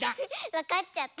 わかっちゃった。